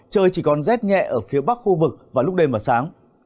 trời chỉ còn rét nhẹ ở phía bắc khu vực vào lúc đêm và sáng